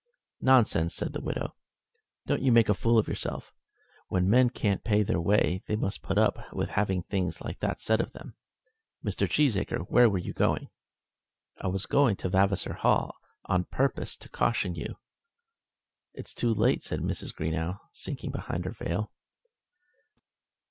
"Nonsense," said the widow. "Don't you make a fool of yourself. When men can't pay their way they must put up with having things like that said of them. Mr. Cheesacre, where were you going?" "I was going to Vavasor Hall, on purpose to caution you." "It's too late," said Mrs. Greenow, sinking behind her veil.